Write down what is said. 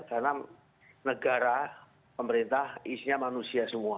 karena negara pemerintah isinya manusia semua